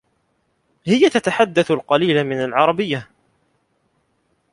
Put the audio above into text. هي تتحدث القليل من العربية.